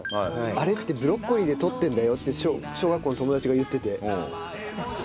「あれってブロッコリーで撮ってるんだよ」って小学校の友達が言ってて。